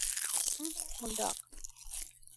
ته قنداق